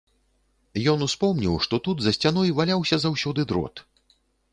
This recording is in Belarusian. Ён успомніў, што тут за сцяной валяўся заўсёды дрот.